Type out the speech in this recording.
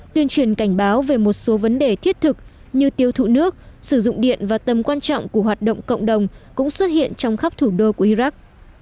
tuyên truyền cảnh báo về một số vấn đề thiết thực như tiêu thụ nước sử dụng điện và tầm quan trọng của hoạt động cộng đồng cũng xuất hiện trong khắp thủ đô của iraq